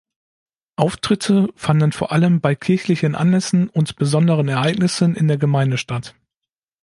Auftritte fanden vor allem bei kirchlichen Anlässen und besonderen Ereignissen in der Gemeinde statt.